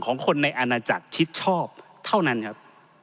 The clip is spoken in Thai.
ของคนในอาณาจักรชิดชอบเท่านั้นครับ